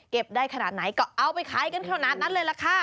ได้ขนาดไหนก็เอาไปขายกันขนาดนั้นเลยล่ะค่ะ